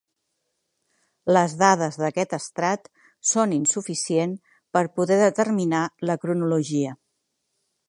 Les dades d'aquest estrat són insuficient per poder determinar la cronologia.